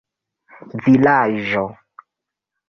vilaĝo